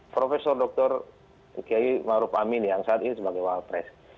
profesor dr kiai ma'ruf amin yang saat ini sebagai wawal pres